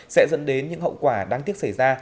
sẽ dẫn đến những hậu quả đáng tiếc xảy ra